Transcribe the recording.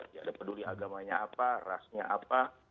tidak ada peduli agamanya apa rasnya apa